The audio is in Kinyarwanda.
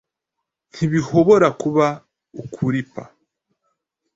Ntibihobora kuba ukuripa